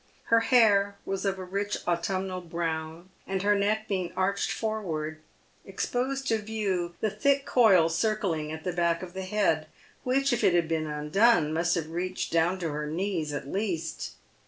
Her hair was of a rich autumnal brown, and her neck being arched forward, exposed to view the thick coil circling at the back of the head, which, if it had been undone, must have reached down to her knees at least.